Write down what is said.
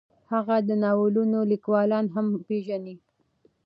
هغه د ناولونو لیکوالان هم پېژني.